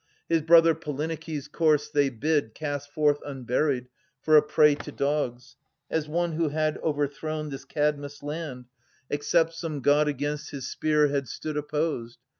His brother Polyneikes* corse they bid Cast forth unburied, for a prey to dogs, As one who had overthrown this Kadmus* land Except some God against his spear had stood Opposed.